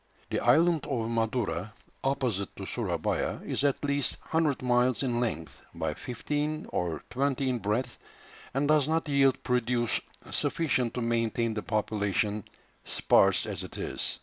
The island of Madura, opposite to Surabaya, is at least 100 miles in length, by fifteen or twenty in breadth, and does not yield produce sufficient to maintain the population, sparse as it is.